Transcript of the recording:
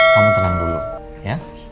kamu tenang dulu ya